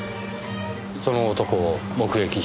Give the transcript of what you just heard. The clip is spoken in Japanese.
その男を目撃した